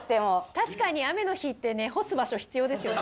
確かに雨の日ってね干す場所必要ですよね。